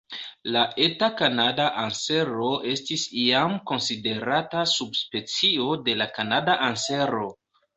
La Eta kanada ansero estis iam konsiderata subspecio de la Kanada ansero.